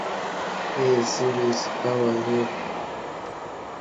The individual terms in the sum are not.